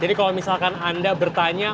jadi kalau misalkan anda bertanya